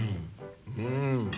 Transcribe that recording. うん。